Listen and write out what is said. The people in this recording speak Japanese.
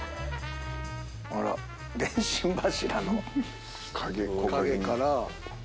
あら電信柱の陰から。